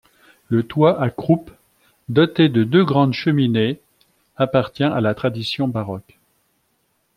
Le toit à croupe, doté de deux grandes cheminées, appartient à la tradition baroque.